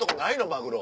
マグロ。